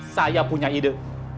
saya punya ide